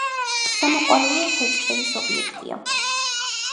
სამოყვარულო თევზჭერის ობიექტია.